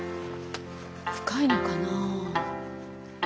深いのかな。